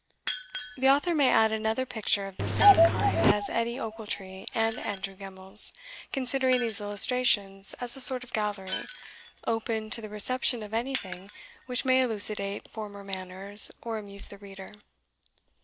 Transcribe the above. The author may add another picture of the same kind as Edie Ochiltree and Andrew Gemmells; considering these illustrations as a sort of gallery, open to the reception of anything which may elucidate former manners, or amuse the reader.